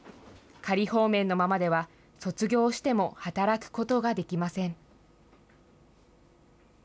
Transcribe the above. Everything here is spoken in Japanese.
仮放免のままでは、卒業しても働くことができません。